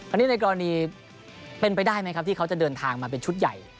อันนี้ในกรณีเป็นไปได้ไหมครับที่เขาจะเดินทางมาเป็นชุดใหญ่